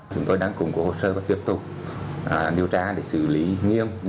chúng tôi đang cùng của hồ sơ và tiếp tục điều tra để xử lý nghiêm